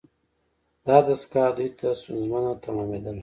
دا دستگاه دوی ته ستونزمنه تمامیدله.